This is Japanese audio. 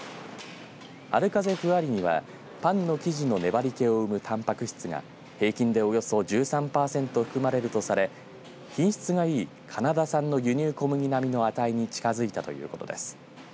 はる風ふわりにはパンの生地の粘りけを生むたんぱく質が平均でおよそ１３パーセント含まれるとされ品質がいいカナダ産の輸入小麦並みの値に近づいたということです。